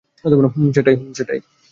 হুম, সেটাই।